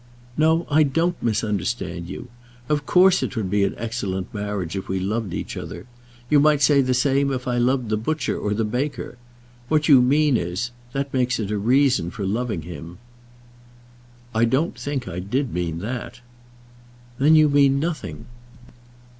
"No, I don't misunderstand you. Of course it would be an excellent marriage, if we loved each other. You might say the same if I loved the butcher or the baker. What you mean is, that it makes a reason for loving him." "I don't think I did mean that." "Then you mean nothing."